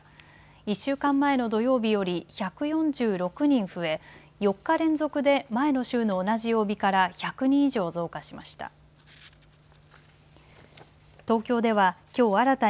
１週間前の土曜日より１４６人増え４日連続で前の週の同じ曜日から１００人以上増加しました。